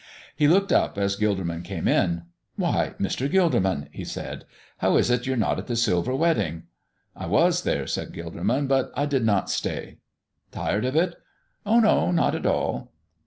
He looked up as Gilderman came in. "Why, Mr. Gilderman," he said, "how is it you're not at the silver wedding?" "I was there," said Gilderman, "but I did not stay." "Tired of it?" "Oh no; not at all."